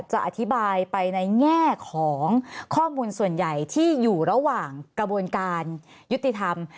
จะอธิบายไปในแง่ของข้อมูลส่วนใหญ่ที่อยู่ระหว่างกระบวนการยุติธรรม